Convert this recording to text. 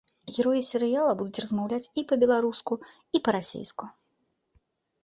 Героі серыяла будуць размаўляць і па-беларуску, і па-расійску.